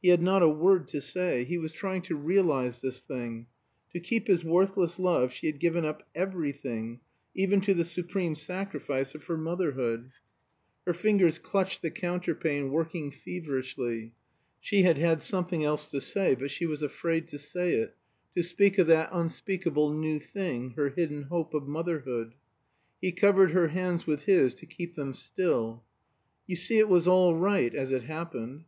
He had not a word to say. He was trying to realize this thing. To keep his worthless love, she had given up everything, even to the supreme sacrifice of her motherhood. Her fingers clutched the counterpane, working feverishly. She had had something else to say. But she was afraid to say it, to speak of that unspeakable new thing, her hidden hope of motherhood. He covered her hands with his to keep them still. "You see it was all right, as it happened."